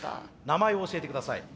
名前を教えて下さい。